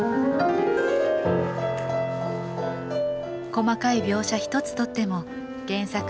細かい描写一つとっても原作に忠実。